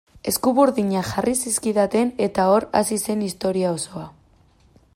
Eskuburdinak jarri zizkidaten eta hor hasi zen historia osoa.